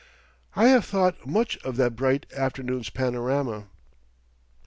I have thought much of that bright afternoon's panorama.